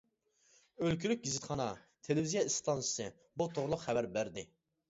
ئۆلكىلىك گېزىتخانا، تېلېۋىزىيە ئىستانسىسى بۇ توغرىلىق خەۋەر بەردى.